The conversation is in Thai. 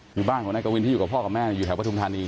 คือบ้านของนายกวินที่อยู่กับพ่อกับแม่อยู่แถวปฐุมธานี